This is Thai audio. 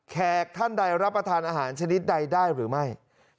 ท่านใดรับประทานอาหารชนิดใดได้หรือไม่